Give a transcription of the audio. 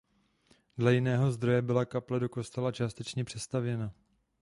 Dle jiného zdroje byla kaple do kostela částečně přestavěna.